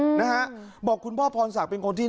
เสียดายหลายผู้ยิ่งใหญ่ในเพลงหมอลำลุกทุ่มอีสาน